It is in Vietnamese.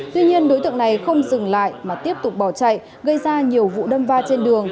tuy nhiên đối tượng này không dừng lại mà tiếp tục bỏ chạy gây ra nhiều vụ đâm va trên đường